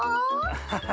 アハハハ。